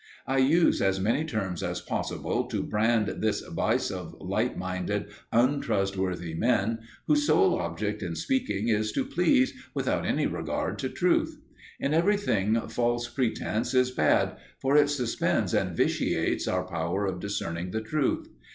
I use as many terms as possible to brand this vice of light minded, untrustworthy men, whose sole object in speaking is to please without any regard to truth. In everything false pretence is bad, for it suspends and vitiates our power of discerning the truth.